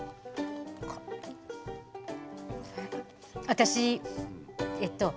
私えっと